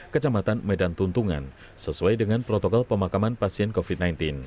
kecamatan medan tuntungan sesuai dengan protokol pemakaman pasien covid sembilan belas